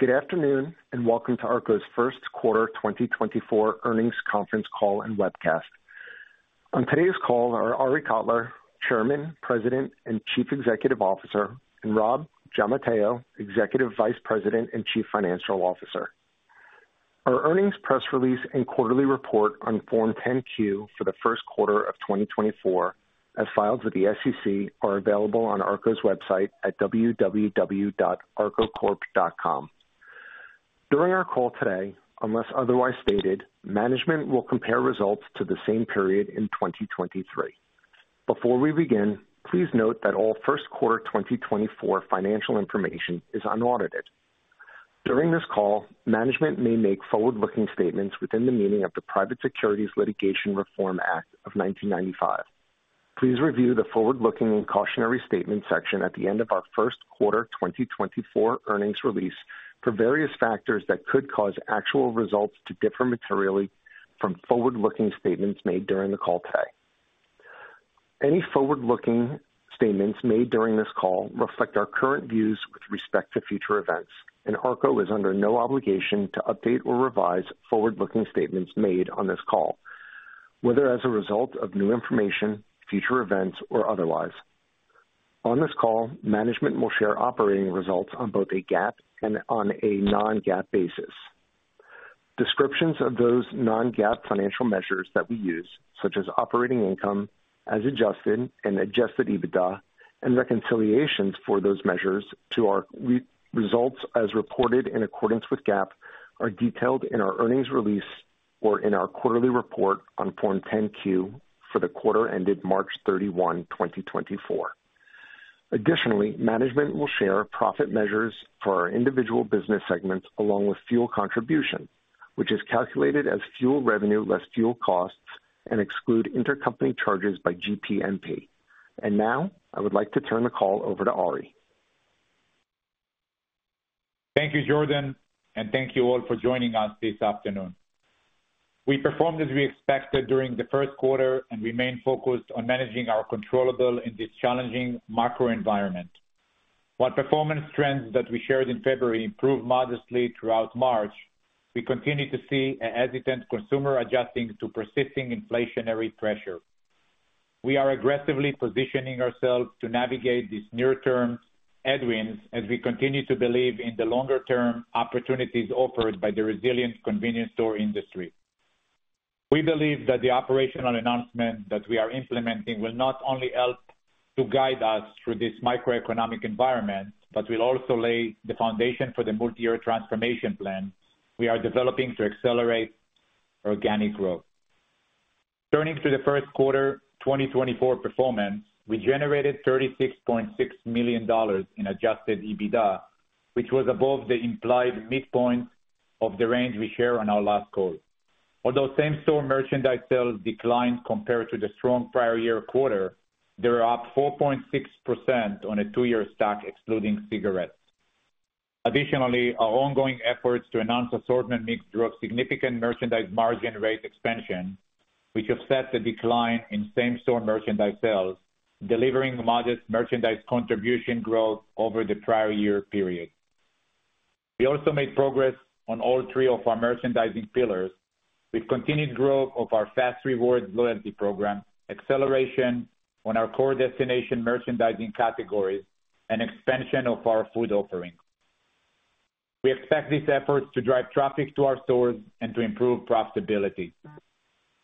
Good afternoon and welcome to ARKO's First Quarter 2024 Earnings Conference Call and webcast. On today's call are Arie Kotler, Chairman, President and Chief Executive Officer, and Rob Giammatteo, Executive Vice President and Chief Financial Officer. Our earnings press release and quarterly report on Form 10-Q for the first quarter of 2024 as filed with the SEC are available on ARKO's website at www.arko-corp.com. During our call today, unless otherwise stated, management will compare results to the same period in 2023. Before we begin, please note that all first quarter 2024 financial information is unaudited. During this call, management may make forward-looking statements within the meaning of the Private Securities Litigation Reform Act of 1995. Please review the forward-looking and cautionary statements section at the end of our first quarter 2024 earnings release for various factors that could cause actual results to differ materially from forward-looking statements made during the call today. Any forward-looking statements made during this call reflect our current views with respect to future events, and ARKO is under no obligation to update or revise forward-looking statements made on this call, whether as a result of new information, future events, or otherwise. On this call, management will share operating results on both a GAAP and on a non-GAAP basis. Descriptions of those non-GAAP financial measures that we use, such as operating income, as adjusted, and Adjusted EBITDA, and reconciliations for those measures to our results as reported in accordance with GAAP are detailed in our earnings release or in our quarterly report on Form 10-Q for the quarter ended March 31, 2024. Additionally, management will share profit measures for our individual business segments along with fuel contribution, which is calculated as fuel revenue less fuel costs and excludes intercompany charges by GPMP. Now I would like to turn the call over to Arie. Thank you, Jordan, and thank you all for joining us this afternoon. We performed as we expected during the first quarter and remained focused on managing our controllable in this challenging macro environment. While performance trends that we shared in February improved modestly throughout March, we continue to see a hesitant consumer adjusting to persisting inflationary pressure. We are aggressively positioning ourselves to navigate this near-term headwinds as we continue to believe in the longer-term opportunities offered by the resilient convenience store industry. We believe that the operational announcement that we are implementing will not only help to guide us through this microeconomic environment but will also lay the foundation for the multi-year transformation plan we are developing to accelerate organic growth. Turning to the first quarter 2024 performance, we generated $36.6 million in Adjusted EBITDA, which was above the implied midpoint of the range we shared on our last call. Although same-store merchandise sales declined compared to the strong prior-year quarter, they were up 4.6% on a two-year stack excluding cigarettes. Additionally, our ongoing efforts to enhance assortment mix drove significant merchandise margin expansion, which offset the decline in same-store merchandise sales, delivering modest merchandise contribution growth over the prior-year period. We also made progress on all three of our merchandising pillars with continued growth of our fas REWARDS loyalty program, acceleration on our core destination merchandising categories, and expansion of our food offerings. We expect these efforts to drive traffic to our stores and to improve profitability.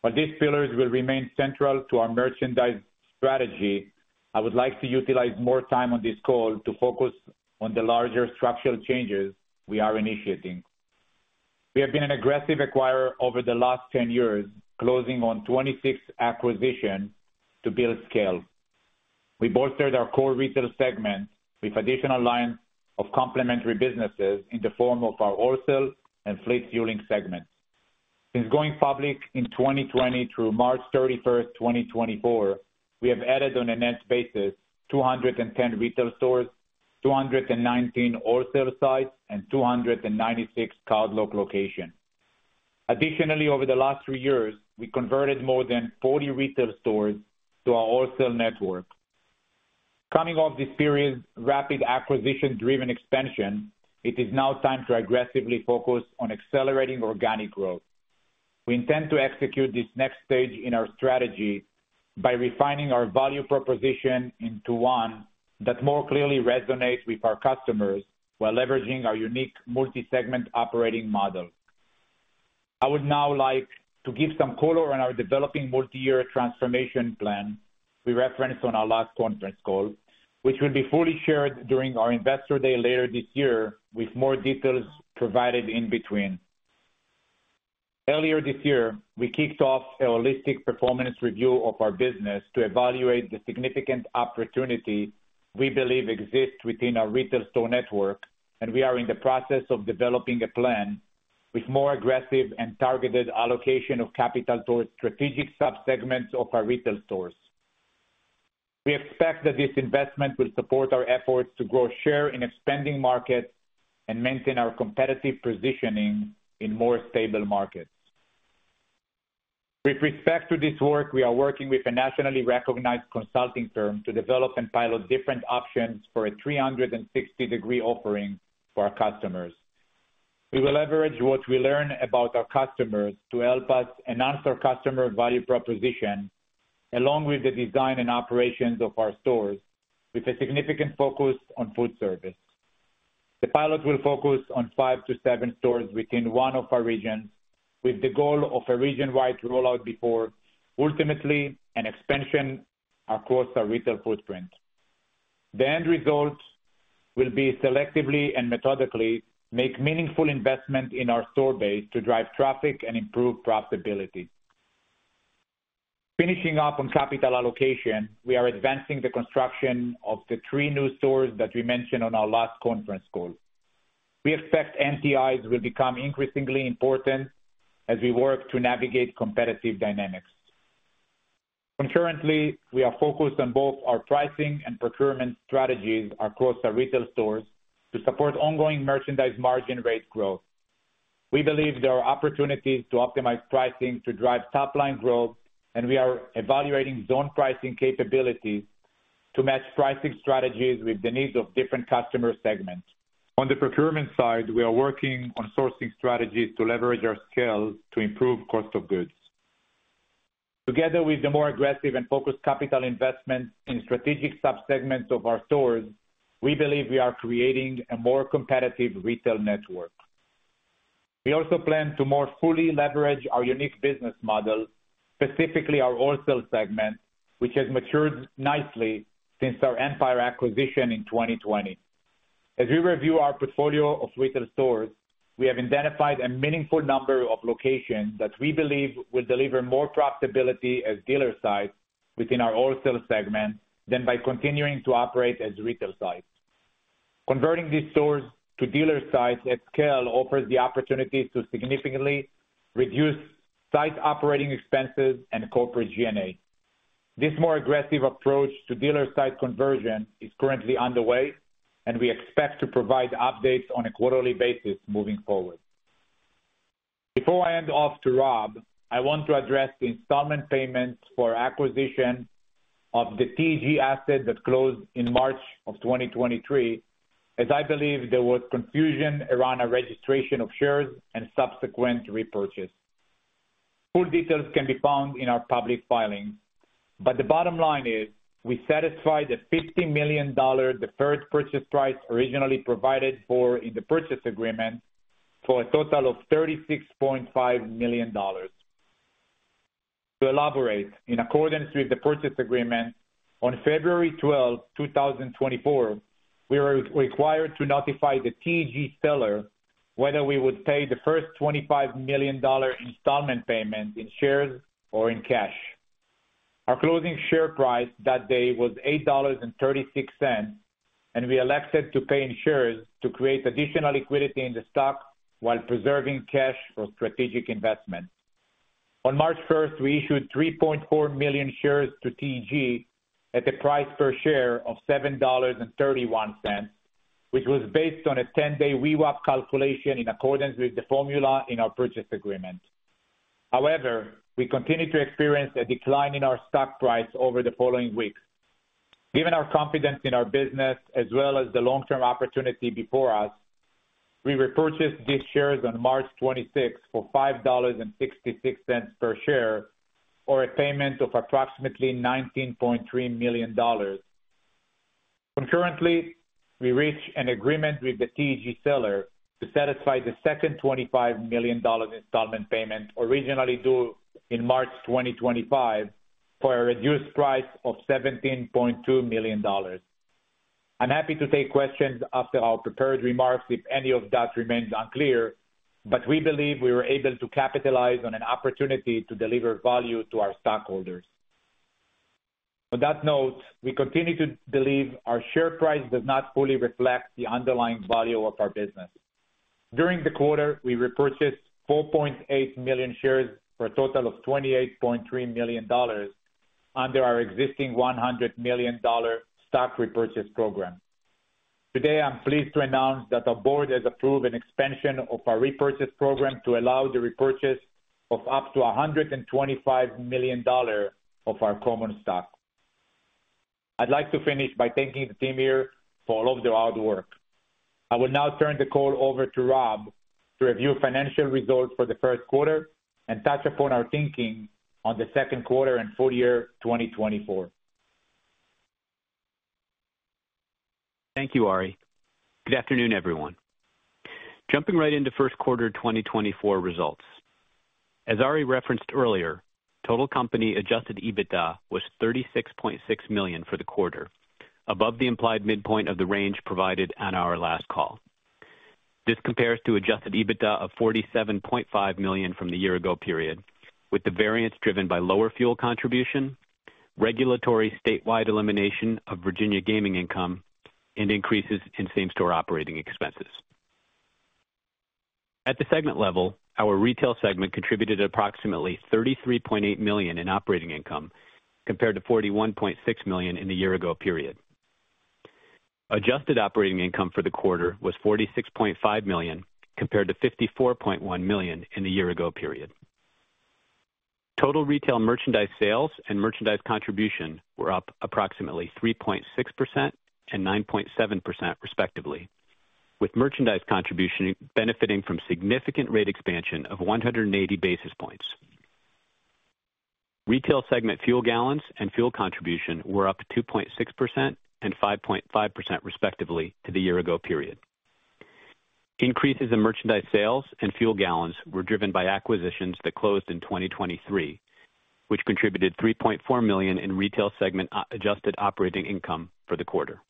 While these pillars will remain central to our merchandise strategy, I would like to utilize more time on this call to focus on the larger structural changes we are initiating. We have been an aggressive acquirer over the last 10 years, closing on 26 acquisitions to build scale. We bolstered our core retail segment with additional lines of complementary businesses in the form of our wholesale and fleet-fueling segments. Since going public in 2020 through March 31, 2024, we have added on an end basis 210 retail stores, 219 wholesale sites, and 296 cardlock locations. Additionally, over the last three years, we converted more than 40 retail stores to our wholesale network. Coming off this period's rapid acquisition-driven expansion, it is now time to aggressively focus on accelerating organic growth. We intend to execute this next stage in our strategy by refining our value proposition into one that more clearly resonates with our customers while leveraging our unique multi-segment operating model. I would now like to give some color on our developing multi-year transformation plan we referenced on our last conference call, which will be fully shared during our Investor Day later this year with more details provided in between. Earlier this year, we kicked off a holistic performance review of our business to evaluate the significant opportunity we believe exists within our retail store network, and we are in the process of developing a plan with more aggressive and targeted allocation of capital towards strategic subsegments of our retail stores. We expect that this investment will support our efforts to grow share in expanding markets and maintain our competitive positioning in more stable markets. With respect to this work, we are working with a nationally recognized consulting firm to develop and pilot different options for a 360-degree offering for our customers. We will leverage what we learn about our customers to help us announce our customer value proposition along with the design and operations of our stores, with a significant focus on food service. The pilot will focus on 5-7 stores within one of our regions, with the goal of a region-wide rollout before, ultimately an expansion across our retail footprint. The end result will be selectively and methodically make meaningful investment in our store base to drive traffic and improve profitability. Finishing up on capital allocation, we are advancing the construction of the 3 new stores that we mentioned on our last conference call. We expect NTIs will become increasingly important as we work to navigate competitive dynamics. Concurrently, we are focused on both our pricing and procurement strategies across our retail stores to support ongoing merchandise margin rate growth. We believe there are opportunities to optimize pricing to drive top-line growth, and we are evaluating zone pricing capabilities to match pricing strategies with the needs of different customer segments. On the procurement side, we are working on sourcing strategies to leverage our scale to improve cost of goods. Together with the more aggressive and focused capital investment in strategic subsegments of our stores, we believe we are creating a more competitive retail network. We also plan to more fully leverage our unique business model, specifically our wholesale segment, which has matured nicely since our Empire acquisition in 2020. As we review our portfolio of retail stores, we have identified a meaningful number of locations that we believe will deliver more profitability as dealer sites within our wholesale segment than by continuing to operate as retail sites. Converting these stores to dealer sites at scale offers the opportunities to significantly reduce site operating expenses and corporate G&A. This more aggressive approach to dealer site conversion is currently underway, and we expect to provide updates on a quarterly basis moving forward. Before I hand off to Rob, I want to address the installment payments for acquisition of the WTG asset that closed in March of 2023, as I believe there was confusion around our registration of shares and subsequent repurchase. Full details can be found in our public filings, but the bottom line is we satisfied the $50 million deferred purchase price originally provided for in the purchase agreement for a total of $36.5 million. To elaborate, in accordance with the purchase agreement, on February 12, 2024, we were required to notify the TG seller whether we would pay the first $25 million installment payment in shares or in cash. Our closing share price that day was $8.36, and we elected to pay in shares to create additional liquidity in the stock while preserving cash for strategic investment. On March 1st, we issued 3.4 million shares to TG at a price per share of $7.31, which was based on a 10-day VWAP calculation in accordance with the formula in our purchase agreement. However, we continue to experience a decline in our stock price over the following weeks. Given our confidence in our business as well as the long-term opportunity before us, we repurchased these shares on March 26th for $5.66 per share, or a payment of approximately $19.3 million. Concurrently, we reached an agreement with the TG seller to satisfy the second $25 million installment payment originally due in March 2025 for a reduced price of $17.2 million. I'm happy to take questions after our prepared remarks if any of that remains unclear, but we believe we were able to capitalize on an opportunity to deliver value to our stockholders. On that note, we continue to believe our share price does not fully reflect the underlying value of our business. During the quarter, we repurchased 4.8 million shares for a total of $28.3 million under our existing $100 million stock repurchase program. Today, I'm pleased to announce that our board has approved an expansion of our repurchase program to allow the repurchase of up to $125 million of our common stock. I'd like to finish by thanking the team here for all of their hard work. I will now turn the call over to Rob to review financial results for the first quarter and touch upon our thinking on the second quarter and full year 2024. Thank you, Arie. Good afternoon, everyone. Jumping right into first quarter 2024 results. As Arie referenced earlier, total company adjusted EBITDA was $36.6 million for the quarter, above the implied midpoint of the range provided on our last call. This compares to adjusted EBITDA of $47.5 million from the year-ago period, with the variance driven by lower fuel contribution, regulatory statewide elimination of Virginia gaming income, and increases in same-store operating expenses. At the segment level, our retail segment contributed approximately $33.8 million in operating income compared to $41.6 million in the year-ago period. Adjusted operating income for the quarter was $46.5 million compared to $54.1 million in the year-ago period. Total retail merchandise sales and merchandise contribution were up approximately 3.6% and 9.7%, respectively, with merchandise contribution benefiting from significant rate expansion of 180 basis points. Retail segment fuel gallons and fuel contribution were up 2.6% and 5.5%, respectively, to the year-ago period. Increases in merchandise sales and fuel gallons were driven by acquisitions that closed in 2023, which contributed $3.4 million in retail segment adjusted operating income for the quarter.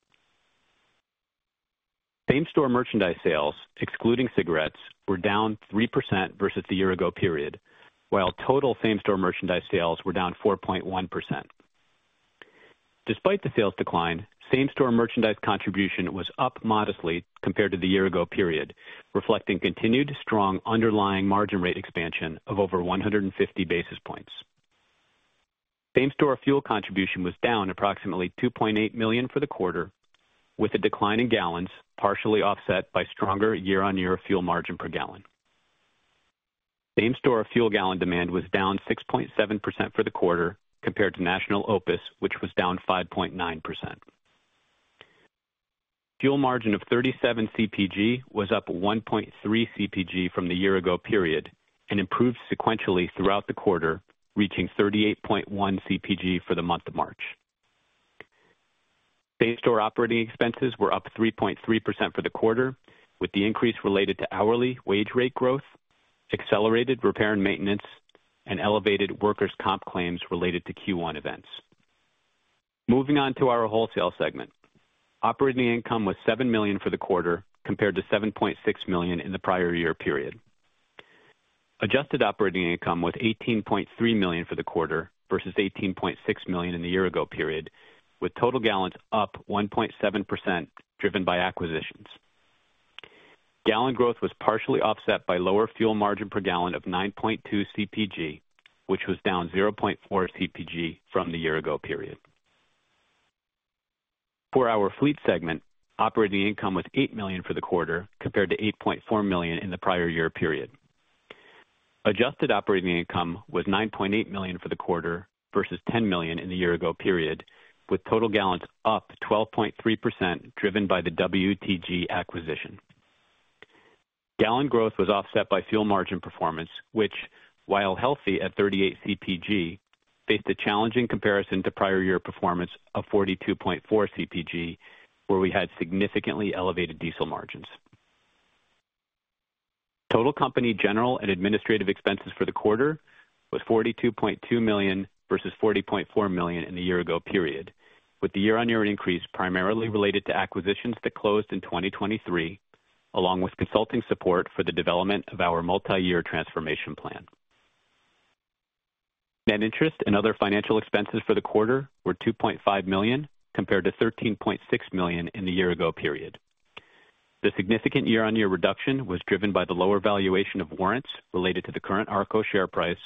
Same-store merchandise sales, excluding cigarettes, were down 3% versus the year-ago period, while total same-store merchandise sales were down 4.1%. Despite the sales decline, same-store merchandise contribution was up modestly compared to the year-ago period, reflecting continued strong underlying margin rate expansion of over 150 basis points. Same-store fuel contribution was down approximately $2.8 million for the quarter, with a decline in gallons partially offset by stronger year-on-year fuel margin per gallon. Same-store fuel gallon demand was down 6.7% for the quarter compared to National OPIS, which was down 5.9%. Fuel margin of 37 CPG was up 1.3 CPG from the year-ago period and improved sequentially throughout the quarter, reaching 38.1 CPG for the month of March. Same-store operating expenses were up 3.3% for the quarter, with the increase related to hourly wage rate growth, accelerated repair and maintenance, and elevated workers' comp claims related to Q1 events. Moving on to our wholesale segment, operating income was $7 million for the quarter compared to $7.6 million in the prior year period. Adjusted operating income was $18.3 million for the quarter versus $18.6 million in the year-ago period, with total gallons up 1.7% driven by acquisitions. Gallon growth was partially offset by lower fuel margin per gallon of 9.2 CPG, which was down 0.4 CPG from the year-ago period. For our fleet segment, operating income was $8 million for the quarter compared to $8.4 million in the prior year period. Adjusted operating income was $9.8 million for the quarter versus $10 million in the year-ago period, with total gallons up 12.3% driven by the WTG acquisition. Gallon growth was offset by fuel margin performance, which, while healthy at 38 CPG, faced a challenging comparison to prior year performance of 42.4 CPG, where we had significantly elevated diesel margins. Total company general and administrative expenses for the quarter was $42.2 million versus $40.4 million in the year-ago period, with the year-on-year increase primarily related to acquisitions that closed in 2023, along with consulting support for the development of our multi-year transformation plan. Net interest and other financial expenses for the quarter were $2.5 million compared to $13.6 million in the year-ago period. The significant year-on-year reduction was driven by the lower valuation of warrants related to the current ARKO share price,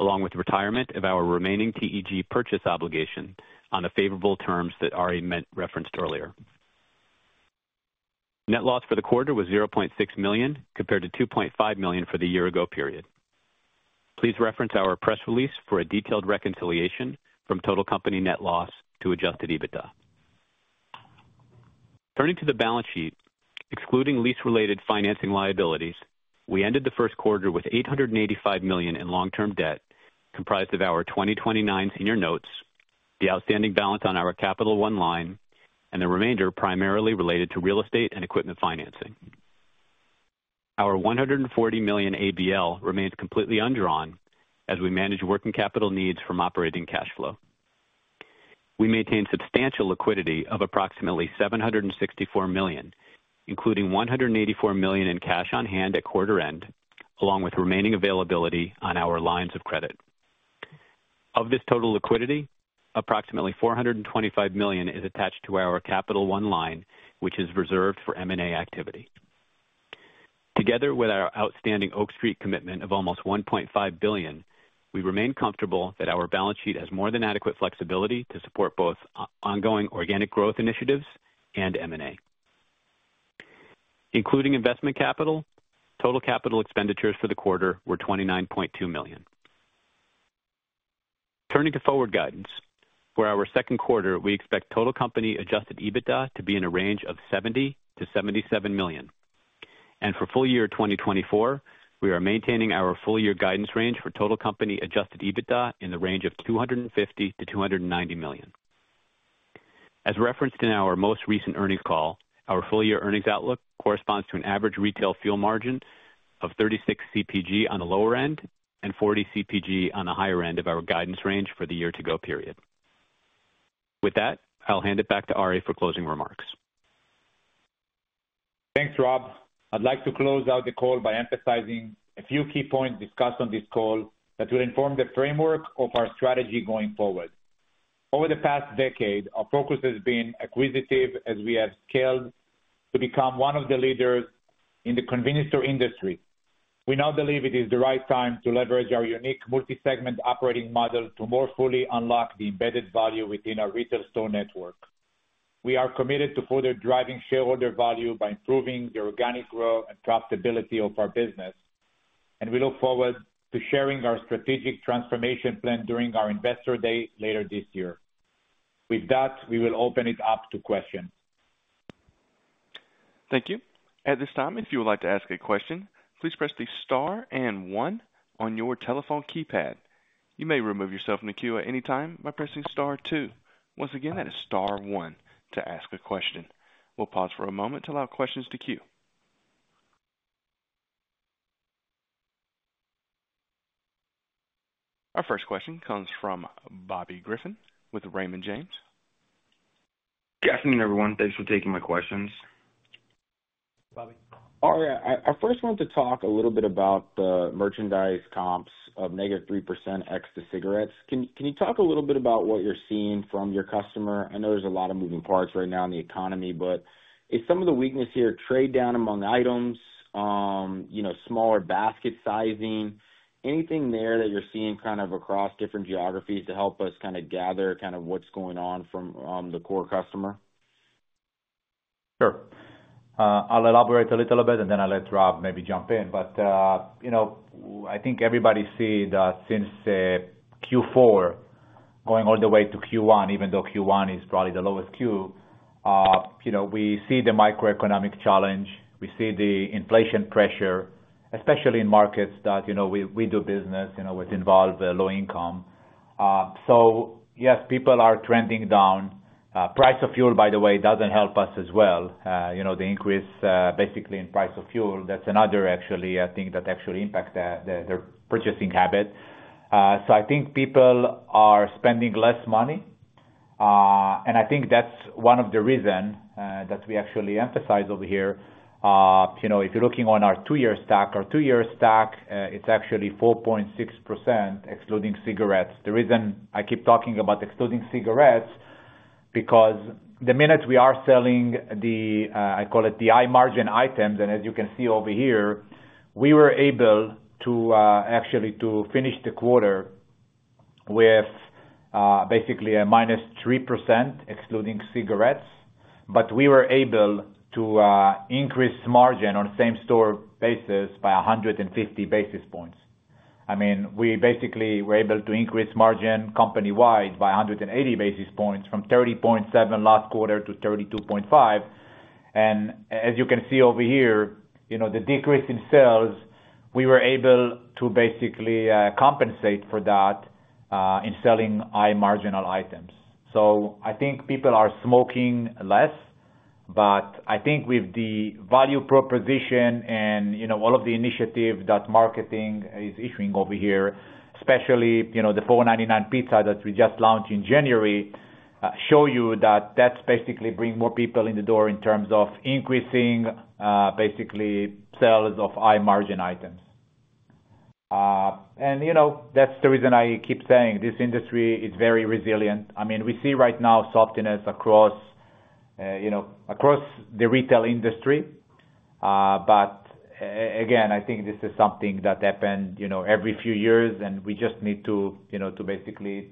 along with retirement of our remaining TEG purchase obligation on the favorable terms that Arie referenced earlier. Net loss for the quarter was $0.6 million compared to $2.5 million for the year-ago period. Please reference our press release for a detailed reconciliation from total company net loss to Adjusted EBITDA. Turning to the balance sheet, excluding lease-related financing liabilities, we ended the first quarter with $885 million in long-term debt comprised of our 2029 senior notes, the outstanding balance on our Capital One line, and the remainder primarily related to real estate and equipment financing. Our $140 million ABL remains completely undrawn as we manage working capital needs from operating cash flow. We maintain substantial liquidity of approximately $764 million, including $184 million in cash on hand at quarter end, along with remaining availability on our lines of credit. Of this total liquidity, approximately $425 million is attached to our Capital One line, which is reserved for M&A activity. Together with our outstanding Oak Street commitment of almost $1.5 billion, we remain comfortable that our balance sheet has more than adequate flexibility to support both ongoing organic growth initiatives and M&A. Including investment capital, total capital expenditures for the quarter were $29.2 million. Turning to forward guidance, for our second quarter, we expect total company Adjusted EBITDA to be in a range of $70-$77 million. For full year 2024, we are maintaining our full year guidance range for total company Adjusted EBITDA in the range of $250-$290 million. As referenced in our most recent earnings call, our full year earnings outlook corresponds to an average retail fuel margin of 36 CPG on the lower end and 40 CPG on the higher end of our guidance range for the year-to-go period. With that, I'll hand it back to Arie for closing remarks. Thanks, Rob. I'd like to close out the call by emphasizing a few key points discussed on this call that will inform the framework of our strategy going forward. Over the past decade, our focus has been acquisitive as we have scaled to become one of the leaders in the convenience store industry. We now believe it is the right time to leverage our unique multi-segment operating model to more fully unlock the embedded value within our retail store network. We are committed to further driving shareholder value by improving the organic growth and profitability of our business, and we look forward to sharing our strategic transformation plan during our investor day later this year. With that, we will open it up to questions. Thank you. At this time, if you would like to ask a question, please press the star and one on your telephone keypad. You may remove yourself from the queue at any time by pressing star two. Once again, that is star one to ask a question. We'll pause for a moment to allow questions to queue. Our first question comes from Bobby Griffin with Raymond James. Good afternoon, everyone. Thanks for taking my questions. Bobby. Arie, I first wanted to talk a little bit about the merchandise comps of -3% ex the cigarettes. Can you talk a little bit about what you're seeing from your customer? I know there's a lot of moving parts right now in the economy, but is some of the weakness here trade down among items, smaller basket sizing? Anything there that you're seeing kind of across different geographies to help us kind of gather kind of what's going on from the core customer? Sure. I'll elaborate a little bit, and then I'll let Rob maybe jump in. But I think everybody sees that since Q4 going all the way to Q1, even though Q1 is probably the lowest Q, we see the microeconomic challenge. We see the inflation pressure, especially in markets that we do business with involve low income. So yes, people are trending down. Price of fuel, by the way, doesn't help us as well. The increase basically in price of fuel, that's another, actually, I think, that actually impacts their purchasing habit. So I think people are spending less money, and I think that's one of the reasons that we actually emphasize over here. If you're looking on our two-year stack, our two-year stack, it's actually 4.6% excluding cigarettes. The reason I keep talking about excluding cigarettes is because the minute we are selling the I call it the high margin items, and as you can see over here, we were able actually to finish the quarter with basically a -3% excluding cigarettes, but we were able to increase margin on same-store basis by 150 basis points. I mean, we basically were able to increase margin company-wide by 180 basis points from 30.7% last quarter to 32.5%. And as you can see over here, the decrease in sales, we were able to basically compensate for that in selling high marginal items. So I think people are smoking less, but I think with the value proposition and all of the initiative that marketing is issuing over here, especially the $4.99 pizza that we just launched in January, show you that that's basically bringing more people in the door in terms of increasing basically sales of high margin items. And that's the reason I keep saying this industry is very resilient. I mean, we see right now softness across the retail industry. But again, I think this is something that happens every few years, and we just need to basically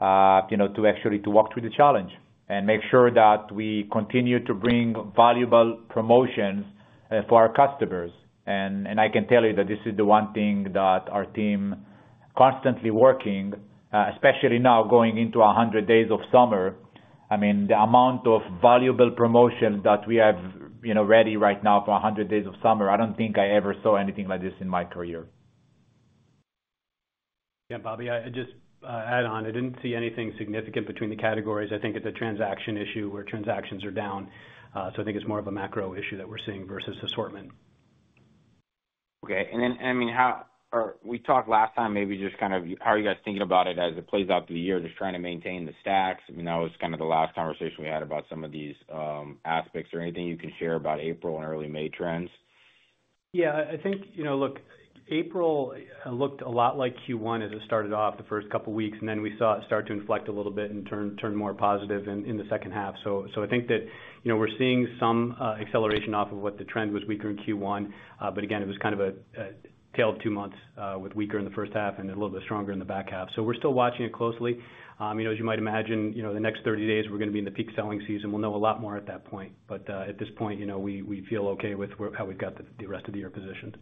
actually walk through the challenge and make sure that we continue to bring valuable promotions for our customers. And I can tell you that this is the one thing that our team constantly working, especially now going into 100 Days of Summer. I mean, the amount of valuable promotions that we have ready right now for 100 Days of Summer, I don't think I ever saw anything like this in my career. Yeah, Bobby, I'd just add on. I didn't see anything significant between the categories. I think it's a transaction issue where transactions are down. So I think it's more of a macro issue that we're seeing versus assortment. Okay. And then, I mean, how we talked last time, maybe just kind of how are you guys thinking about it as it plays out through the year, just trying to maintain the stacks? I mean, that was kind of the last conversation we had about some of these aspects. Or anything you can share about April and early May trends? Yeah. I think, look, April looked a lot like Q1 as it started off the first couple of weeks, and then we saw it start to inflect a little bit and turn more positive in the second half. So I think that we're seeing some acceleration off of what the trend was weaker in Q1. But again, it was kind of a tale of two months with weaker in the first half and a little bit stronger in the back half. So we're still watching it closely. As you might imagine, the next 30 days, we're going to be in the peak selling season. We'll know a lot more at that point. But at this point, we feel okay with how we've got the rest of the year positioned.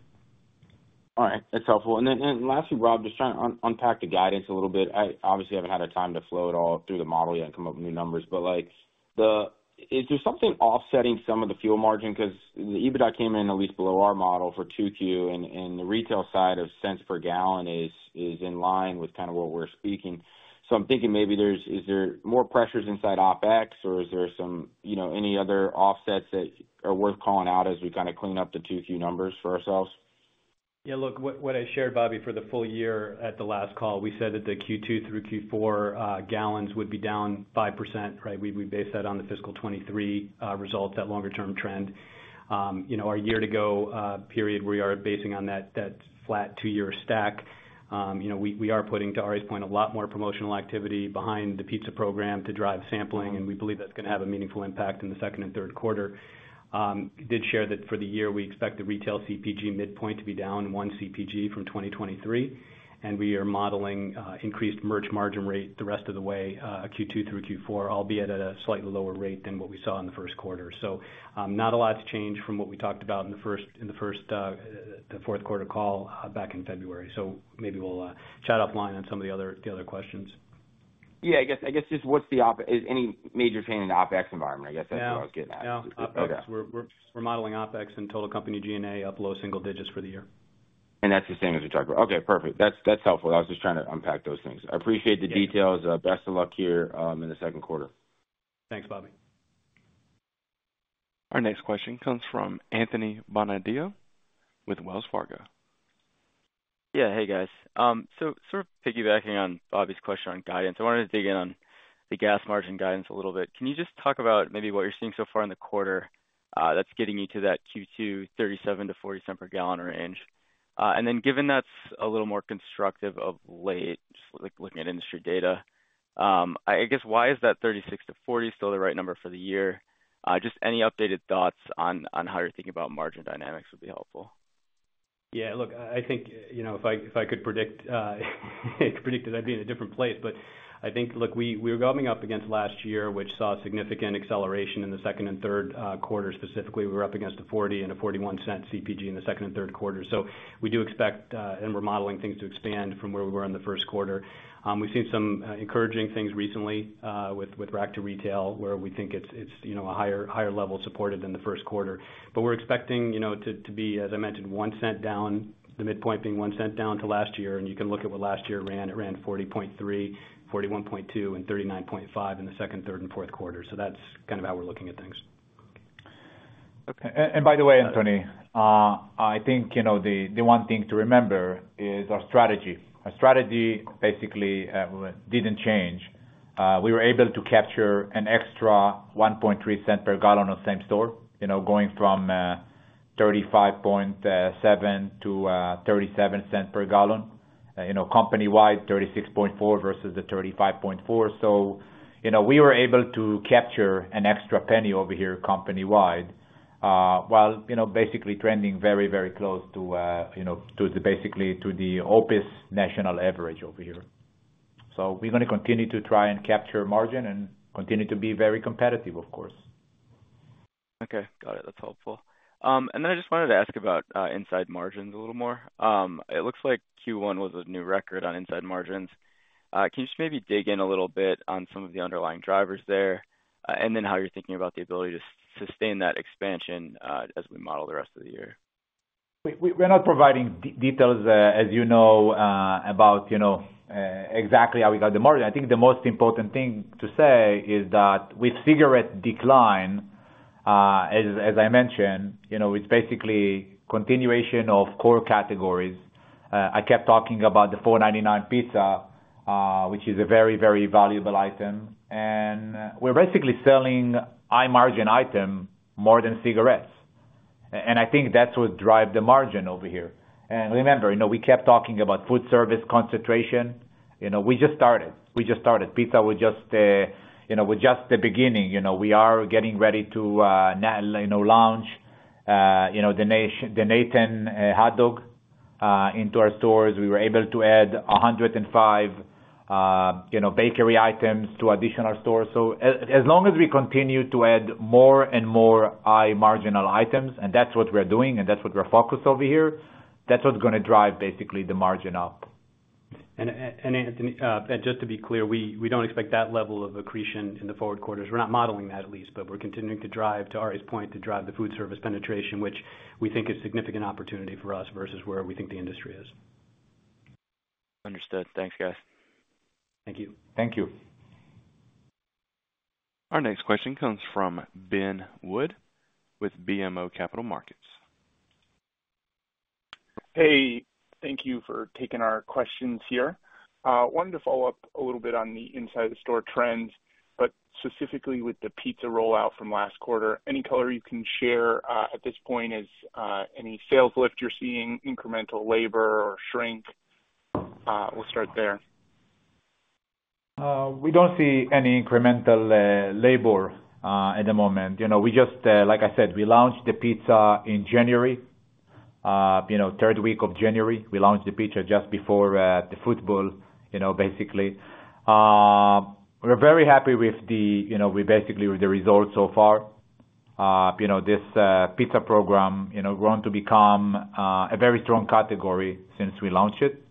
All right. That's helpful. Then lastly, Rob, just trying to unpack the guidance a little bit. I obviously haven't had a time to flow it all through the model yet and come up with new numbers. But is there something offsetting some of the fuel margin? Because the EBITDA came in at least below our model for 2Q, and the retail side of cents per gallon is in line with kind of what we're speaking. So I'm thinking maybe there's, is there more pressures inside OpEx, or is there any other offsets that are worth calling out as we kind of clean up the 2Q numbers for ourselves? Yeah. Look, what I shared, Bobby, for the full year at the last call, we said that the Q2 through Q4 gallons would be down 5%, right? We base that on the fiscal 2023 results, that longer-term trend. Our year-to-go period, we are basing on that flat two-year stack. We are putting, to Arie's point, a lot more promotional activity behind the pizza program to drive sampling, and we believe that's going to have a meaningful impact in the second and third quarter. Did share that for the year, we expect the retail CPG midpoint to be down one CPG from 2023, and we are modeling increased merch margin rate the rest of the way Q2 through Q4, albeit at a slightly lower rate than what we saw in the first quarter. So not a lot to change from what we talked about in the fourth quarter call back in February. So maybe we'll chat offline on some of the other questions. Yeah. I guess just what's any major change in the OpEx environment? I guess that's what I was getting at. No. OpEx, we're modeling OpEx and total company G&A up low single digits for the year. That's the same as we talked about. Okay. Perfect. That's helpful. I was just trying to unpack those things. I appreciate the details. Best of luck here in the second quarter. Thanks, Bobby. Our next question comes from Anthony Bonadio with Wells Fargo. Yeah. Hey, guys. So sort of piggybacking on Bobby's question on guidance, I wanted to dig in on the gas margin guidance a little bit. Can you just talk about maybe what you're seeing so far in the quarter that's getting you to that Q2 $0.37-$0.40 per gallon range? And then given that's a little more constructive of late, just looking at industry data, I guess why is that $0.36-$0.40 still the right number for the year? Just any updated thoughts on how you're thinking about margin dynamics would be helpful. Yeah. Look, I think if I could predict it, I'd be in a different place. But I think, look, we were going up against last year, which saw significant acceleration in the second and third quarter specifically. We were up against a $0.40- and $0.41-cent CPG in the second and third quarter. So we do expect and we're modeling things to expand from where we were in the first quarter. We've seen some encouraging things recently with Rack to Retail where we think it's a higher level supported than the first quarter. But we're expecting to be, as I mentioned, $0.01 down, the midpoint being $0.01 down to last year. And you can look at what last year ran. It ran $0.403, $0.412, and $0.395 in the second, third, and fourth quarter. So that's kind of how we're looking at things. Okay. And by the way, Anthony, I think the one thing to remember is our strategy. Our strategy basically didn't change. We were able to capture an extra $0.013 per gallon on same store, going from $0.357-$0.37 per gallon. Company-wide, $0.364 versus the $0.354. So we were able to capture an extra $0.01 over here company-wide while basically trending very, very close to the basically to the OPIS national average over here. So we're going to continue to try and capture margin and continue to be very competitive, of course. Okay. Got it. That's helpful. Then I just wanted to ask about inside margins a little more. It looks like Q1 was a new record on inside margins. Can you just maybe dig in a little bit on some of the underlying drivers there and then how you're thinking about the ability to sustain that expansion as we model the rest of the year? We're not providing details, as you know, about exactly how we got the margin. I think the most important thing to say is that with cigarette decline, as I mentioned, it's basically continuation of core categories. I kept talking about the $4.99 pizza, which is a very, very valuable item. And we're basically selling high margin items more than cigarettes. And I think that's what drives the margin over here. And remember, we kept talking about food service concentration. We just started. We just started. Pizza was just the beginning. We are getting ready to launch the Nathan's hot dog into our stores. We were able to add 105 bakery items to additional stores. So as long as we continue to add more and more high margin items, and that's what we're doing and that's what we're focused over here, that's what's going to drive basically the margin up. Anthony, just to be clear, we don't expect that level of accretion in the forward quarters. We're not modeling that at least, but we're continuing to drive, to Arie's point, to drive the food service penetration, which we think is significant opportunity for us versus where we think the industry is. Understood. Thanks, guys. Thank you. Thank you. Our next question comes from Ben Wood with BMO Capital Markets. Hey. Thank you for taking our questions here. Wanted to follow up a little bit on the inside store trends, but specifically with the pizza rollout from last quarter. Any color you can share at this point as any sales lift you're seeing, incremental labor, or shrink? We'll start there. We don't see any incremental labor at the moment. Like I said, we launched the pizza in January, third week of January. We launched the pizza just before the football, basically. We're very happy with the, we're basically with the results so far. This pizza program, grown to become a very strong category since we launched it.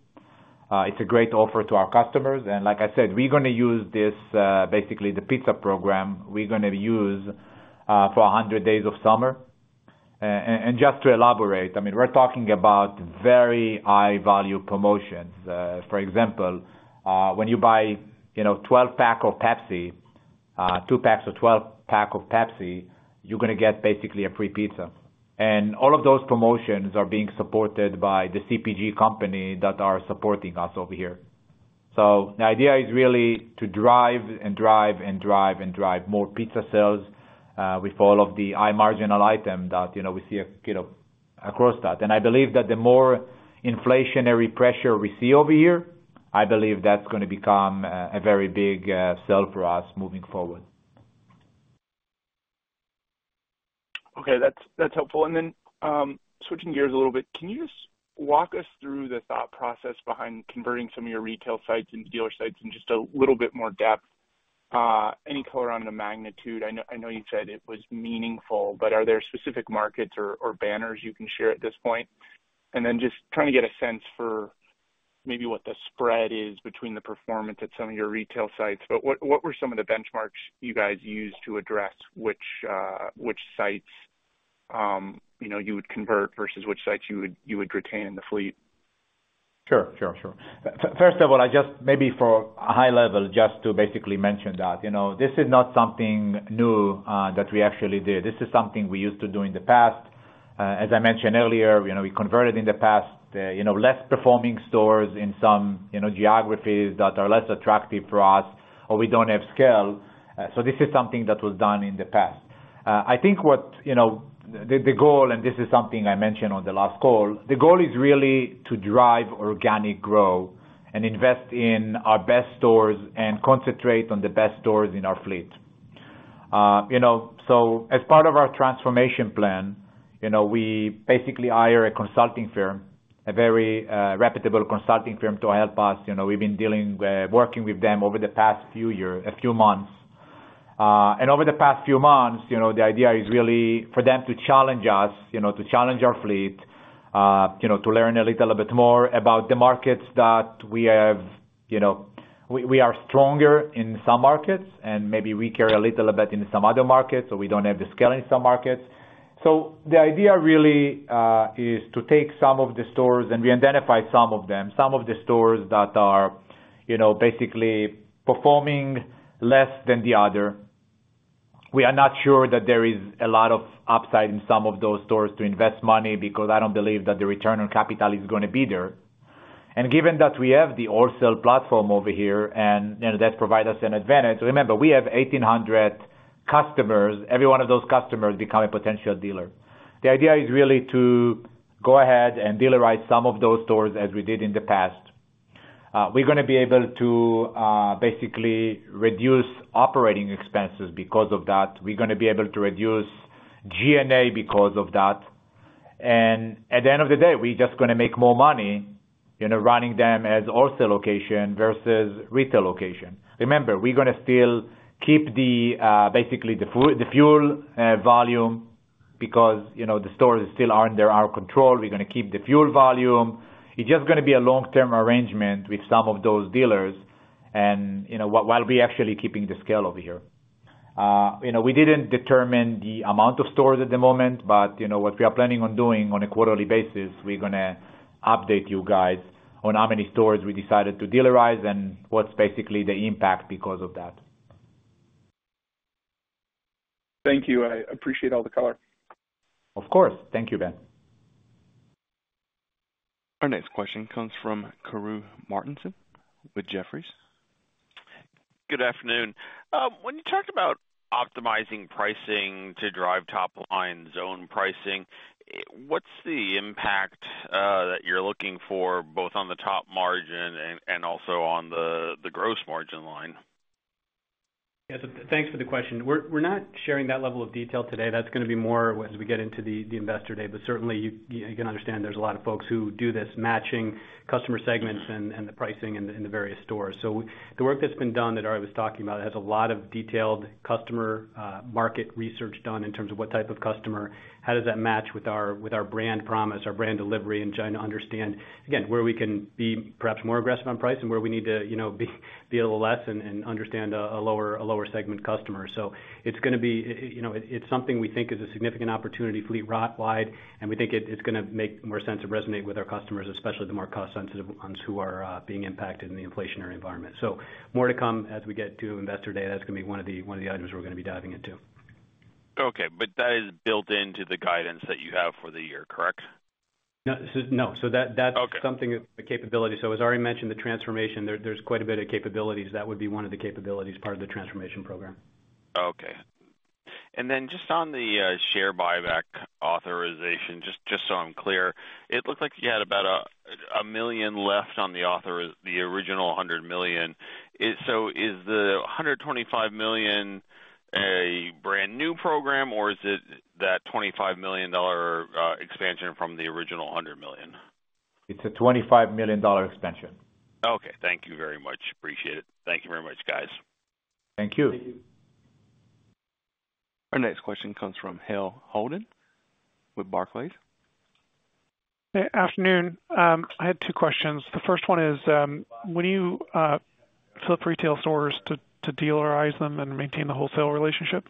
It's a great offer to our customers. And like I said, we're going to use this basically the pizza program we're going to use for 100 Days of Summer. And just to elaborate, I mean, we're talking about very high-value promotions. For example, when you buy 12-pack of Pepsi, 2 packs or 12-pack of Pepsi, you're going to get basically a free pizza. And all of those promotions are being supported by the CPG company that are supporting us over here. So the idea is really to drive and drive and drive and drive more pizza sales with all of the high margin item that we see across that. I believe that the more inflationary pressure we see over here, I believe that's going to become a very big seller for us moving forward. Okay. That's helpful. And then switching gears a little bit, can you just walk us through the thought process behind converting some of your retail sites and dealer sites in just a little bit more depth? Any color on the magnitude? I know you said it was meaningful, but are there specific markets or banners you can share at this point? And then just trying to get a sense for maybe what the spread is between the performance at some of your retail sites. But what were some of the benchmarks you guys used to address which sites you would convert versus which sites you would retain in the fleet? Sure. Sure. Sure. First of all, maybe for a high level, just to basically mention that, this is not something new that we actually did. This is something we used to do in the past. As I mentioned earlier, we converted in the past less performing stores in some geographies that are less attractive for us, or we don't have scale. So this is something that was done in the past. I think what the goal and this is something I mentioned on the last call. The goal is really to drive organic growth and invest in our best stores and concentrate on the best stores in our fleet. So as part of our transformation plan, we basically hire a consulting firm, a very reputable consulting firm to help us. We've been working with them over the past few months. Over the past few months, the idea is really for them to challenge us, to challenge our fleet, to learn a little bit more about the markets that we have. We are stronger in some markets, and maybe we carry a little bit in some other markets, or we don't have the scale in some markets. So the idea really is to take some of the stores and we identify some of them, some of the stores that are basically performing less than the other. We are not sure that there is a lot of upside in some of those stores to invest money because I don't believe that the return on capital is going to be there. And given that we have the wholesale platform over here, and that provides us an advantage, remember, we have 1,800 customers. Every one of those customers becomes a potential dealer. The idea is really to go ahead and dealerize some of those stores as we did in the past. We're going to be able to basically reduce operating expenses because of that. We're going to be able to reduce G&A because of that. At the end of the day, we're just going to make more money running them as wholesale location versus retail location. Remember, we're going to still keep basically the fuel volume because the stores still aren't under our control. We're going to keep the fuel volume. It's just going to be a long-term arrangement with some of those dealers while we're actually keeping the scale over here. We didn't determine the amount of stores at the moment, but what we are planning on doing on a quarterly basis, we're going to update you guys on how many stores we decided to dealerize and what's basically the impact because of that. Thank you. I appreciate all the color. Of course. Thank you, Ben. Our next question comes from Karru Martinson with Jefferies. Good afternoon. When you talk about optimizing pricing to drive top-line zone pricing, what's the impact that you're looking for both on the top margin and also on the gross margin line? Yeah. Thanks for the question. We're not sharing that level of detail today. That's going to be more as we get into the investor day. But certainly, you can understand there's a lot of folks who do this matching customer segments and the pricing in the various stores. So the work that's been done that Arie was talking about has a lot of detailed customer market research done in terms of what type of customer. How does that match with our brand promise, our brand delivery, and trying to understand, again, where we can be perhaps more aggressive on price and where we need to be a little less and understand a lower segment customer? So it's going to be something we think is a significant opportunity fleet-wide, and we think it's going to make more sense to resonate with our customers, especially the more cost-sensitive ones who are being impacted in the inflationary environment. So more to come as we get to investor day. That's going to be one of the items we're going to be diving into. Okay. But that is built into the guidance that you have for the year, correct? No. So that's something that's a capability. So as Arie mentioned, the transformation, there's quite a bit of capabilities. That would be one of the capabilities, part of the transformation program. Okay. Just on the share buyback authorization, just so I'm clear, it looked like you had about $1 million left on the original $100 million. Is the $125 million a brand new program, or is it that $25 million expansion from the original $100 million? It's a $25 million expansion. Okay. Thank you very much. Appreciate it. Thank you very much, guys. Thank you. Our next question comes from Hale Holden with Barclays. Hey. Afternoon. I had two questions. The first one is, when you flip retail stores to dealerize them and maintain the wholesale relationship,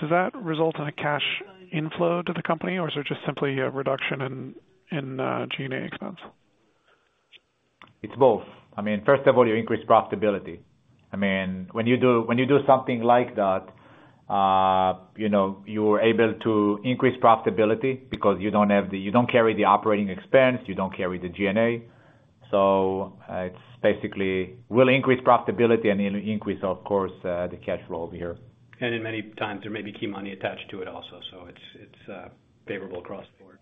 does that result in a cash inflow to the company, or is it just simply a reduction in G&A expense? It's both. I mean, first of all, you increase profitability. I mean, when you do something like that, you're able to increase profitability because you don't carry the operating expense. You don't carry the G&A. So it's basically will increase profitability and increase, of course, the cash flow over here. And then many times, there may be key money attached to it also, so it's favorable across the board.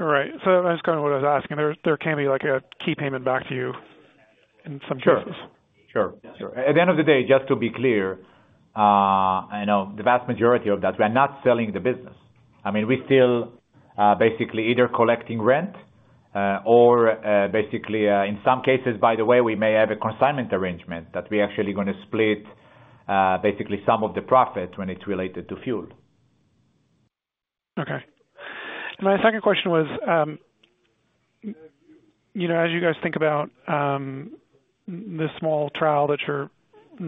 All right. So that's kind of what I was asking. There can be a key payment back to you in some cases. Sure. Sure. Sure. At the end of the day, just to be clear, the vast majority of that, we are not selling the business. I mean, we're still basically either collecting rent or basically, in some cases, by the way, we may have a consignment arrangement that we're actually going to split basically some of the profit when it's related to fuel. Okay. My second question was, as you guys think about the small trial that you're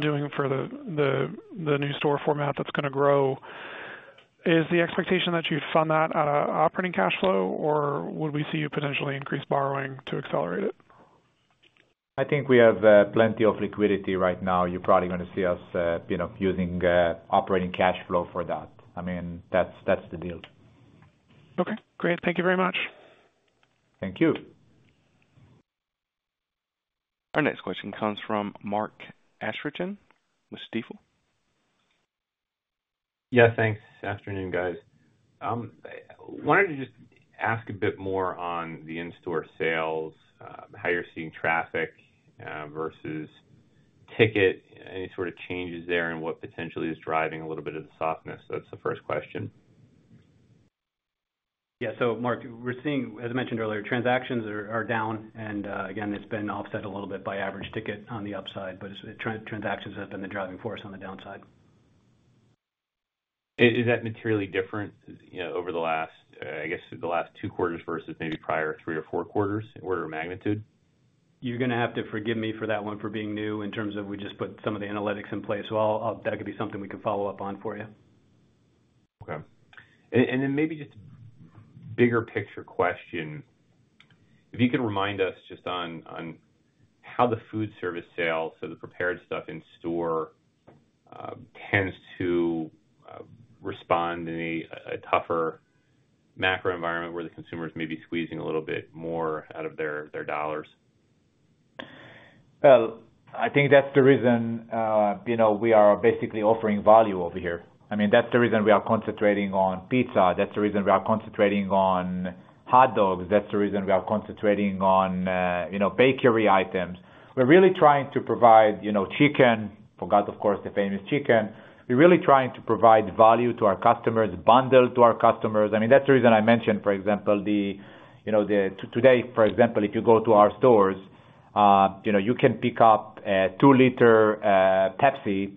doing for the new store format that's going to grow, is the expectation that you'd fund that out of operating cash flow, or would we see you potentially increase borrowing to accelerate it? I think we have plenty of liquidity right now. You're probably going to see us using operating cash flow for that. I mean, that's the deal. Okay. Great. Thank you very much. Thank you. Our next question comes from Mark Astrachan with Stifel. Yeah. Thanks. Afternoon, guys. Wanted to just ask a bit more on the in-store sales, how you're seeing traffic versus ticket, any sort of changes there and what potentially is driving a little bit of the softness. That's the first question. Yeah. So Mark, as I mentioned earlier, transactions are down. Again, it's been offset a little bit by average ticket on the upside, but transactions have been the driving force on the downside. Is that materially different over the last, I guess, the last two quarters versus maybe prior three or four quarters, order of magnitude? You're going to have to forgive me for that one for being new in terms of we just put some of the analytics in place. So that could be something we can follow up on for you. Okay. And then maybe just a bigger picture question. If you could remind us just on how the food service sales, so the prepared stuff in store, tends to respond in a tougher macro environment where the consumer's maybe squeezing a little bit more out of their dollars? Well, I think that's the reason we are basically offering value over here. I mean, that's the reason we are concentrating on pizza. That's the reason we are concentrating on hot dogs. That's the reason we are concentrating on bakery items. We're really trying to provide chicken, forgot, of course, the famous chicken. We're really trying to provide value to our customers, bundle to our customers. I mean, that's the reason I mentioned, for example, today, for example, if you go to our stores, you can pick up a 2-liter Pepsi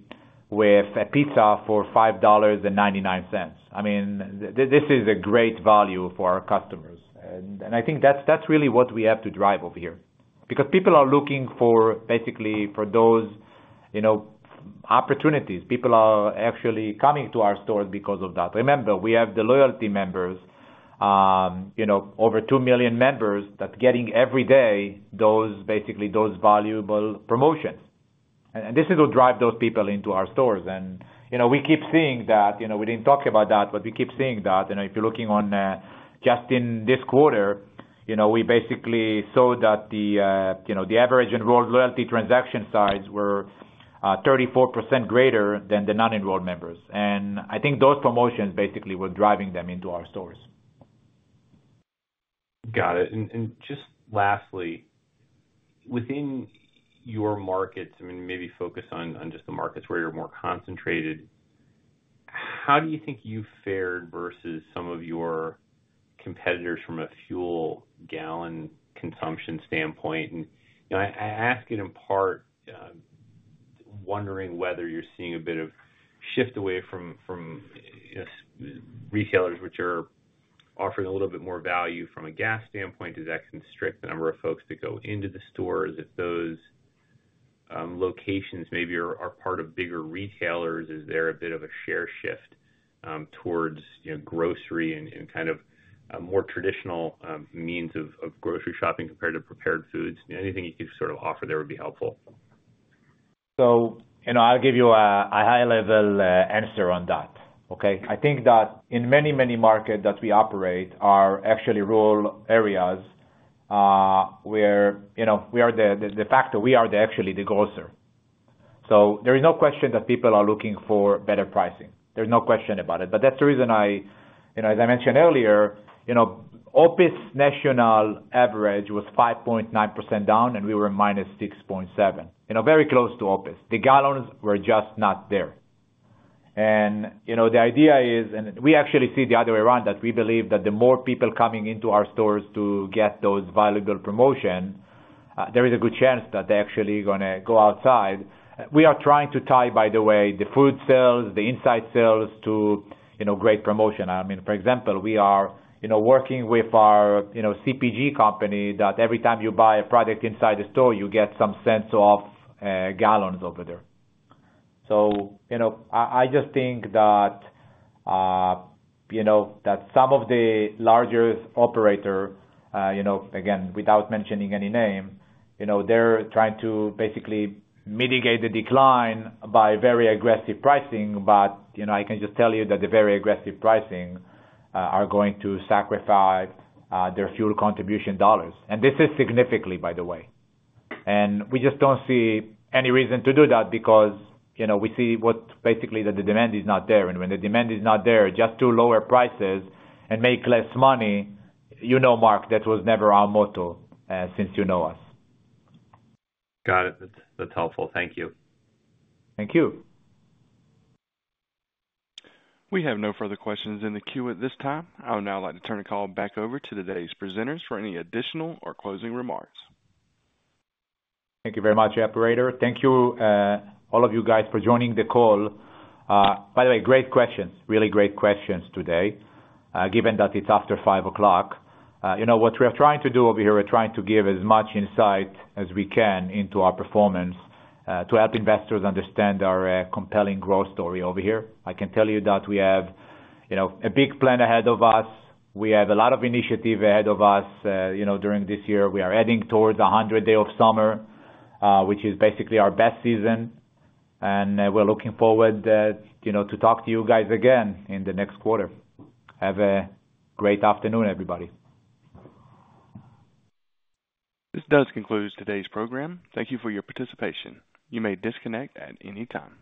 with a pizza for $5.99. I mean, this is a great value for our customers. And I think that's really what we have to drive over here because people are looking basically for those opportunities. People are actually coming to our stores because of that. Remember, we have the loyalty members, over 2 million members that's getting every day basically those valuable promotions. And this is what drives those people into our stores. And we keep seeing that we didn't talk about that, but we keep seeing that. If you're looking on just in this quarter, we basically saw that the average enrolled loyalty transaction size were 34% greater than the non-enrolled members. And I think those promotions basically were driving them into our stores. Got it. And just lastly, within your markets, I mean, maybe focus on just the markets where you're more concentrated. How do you think you've fared versus some of your competitors from a fuel gallon consumption standpoint? And I ask it in part wondering whether you're seeing a bit of shift away from retailers, which are offering a little bit more value from a gas standpoint. Is that constrict the number of folks that go into the stores? If those locations maybe are part of bigger retailers, is there a bit of a share shift towards grocery and kind of more traditional means of grocery shopping compared to prepared foods? Anything you could sort of offer there would be helpful. So I'll give you a high-level answer on that, okay? I think that in many, many markets that we operate, our actual rural areas, where we are the factor, we are actually the grocer. So there is no question that people are looking for better pricing. There's no question about it. But that's the reason I, as I mentioned earlier, OPIS national average was 5.9% down, and we were -6.7%, very close to OPIS. The gallons were just not there. And the idea is, and we actually see the other way around, that we believe that the more people coming into our stores to get those valuable promotions, there is a good chance that they're actually going to go outside. We are trying to tie, by the way, the food sales, the inside sales to great promotion. I mean, for example, we are working with our CPG company that every time you buy a product inside the store, you get some cents per gallon over there. So I just think that some of the larger operators, again, without mentioning any name, they're trying to basically mitigate the decline by very aggressive pricing. But I can just tell you that the very aggressive pricing is going to sacrifice their fuel contribution dollars. And this is significantly, by the way. And we just don't see any reason to do that because we see basically that the demand is not there. And when the demand is not there, just to lower prices and make less money, you know, Mark, that was never our motto since you know us. Got it. That's helpful. Thank you. Thank you. We have no further questions in the queue at this time. I would now like to turn the call back over to today's presenters for any additional or closing remarks. Thank you very much, operator. Thank you, all of you guys, for joining the call. By the way, great questions, really great questions today, given that it's after 5 o'clock. What we are trying to do over here, we're trying to give as much insight as we can into our performance to help investors understand our compelling growth story over here. I can tell you that we have a big plan ahead of us. We have a lot of initiative ahead of us during this year. We are heading towards 100-day of summer, which is basically our best season. And we're looking forward to talk to you guys again in the next quarter. Have a great afternoon, everybody. This does conclude today's program. Thank you for your participation. You may disconnect at any time.